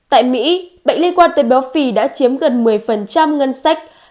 tại mỹ bệnh liên quan tới béo phì đã chiếm gần một mươi ngân sách